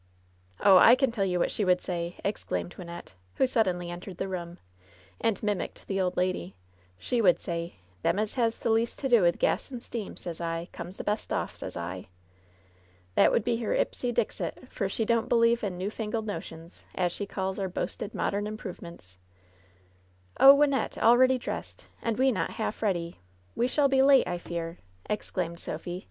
"Oh I I can tell you what she would say," exclaimed Wynnette, who suddenly entered the room, and mim icked the old lady. "She would say: ^Them as has the least to do with gas and steam, sez I, comes the best off, sez I.' That would be her ipse dixit, for she don't believe in newfangled notions, as she calls our boasted modem improvements." "Oh, Wynnette! Already dressed! and we not' half ready ! We shall be late, I fear," exclaimed Sophy.